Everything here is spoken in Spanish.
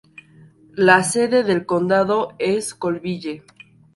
La sede del condado es Colville.